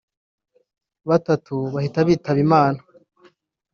batatu bahita bitaba Imana